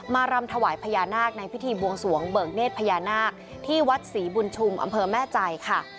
รำถวายพญานาคในพิธีบวงสวงเบิกเนธพญานาคที่วัดศรีบุญชุมอำเภอแม่ใจค่ะ